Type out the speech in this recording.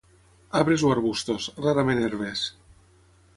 Arbres o arbustos, rarament herbes.